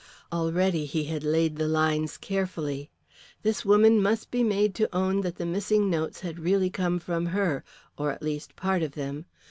Already he had laid the lines carefully. This woman must be made to own that the missing notes had really come from her, or at least part of them.